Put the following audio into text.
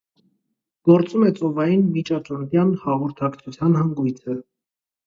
Գործում է ծովային միջատլանտյան հաղորդակցության հանգույցը։